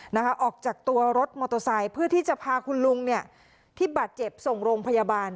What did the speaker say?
นะคะออกจากตัวรถมอเตอร์ไซค์เพื่อที่จะพาคุณลุงเนี่ยที่บาดเจ็บส่งโรงพยาบาล